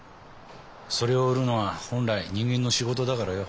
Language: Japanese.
それを売るのは本来人間の仕事だからよ。